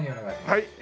はい。